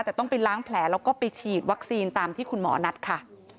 แต่ต้องไปล้างแผลแล้วก็ไปฉีดวัคซีนตามที่คุณหมอนัดค่ะ